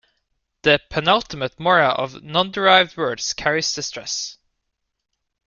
The penultimate mora of nonderived words carries the stress.